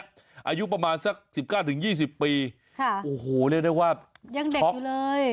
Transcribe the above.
อายุประมาณสัก๑๙๒๐ปีโอ้โหเรียกได้ว่ายังเด็กอยู่เลย